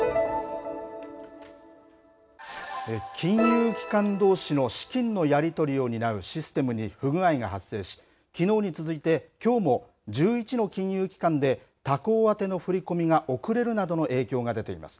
金融機関どうしの資金のやり取りを担うシステムに不具合が発生し、きのうに続いてきょうも１１の金融機関で、他行宛ての振り込みが遅れるなどの影響が出ています。